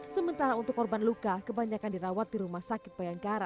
sementara untuk korban luka kebanyakan dirawat di rumah sakit bayangkara